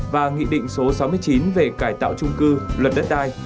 và nghị định số sáu mươi chín về cải tạo trung cư luật đất đai